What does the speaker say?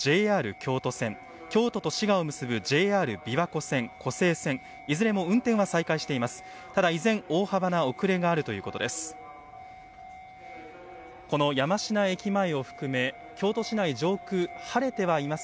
京都と滋賀を結ぶＪＲ琵琶湖線、湖西線いずれも運転は再開しています。